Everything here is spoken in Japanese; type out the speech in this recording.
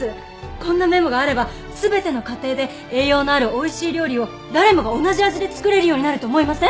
こんなメモがあれば全ての家庭で栄養のあるおいしい料理を誰もが同じ味で作れるようになると思いません？